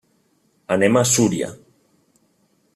Anem a Súria.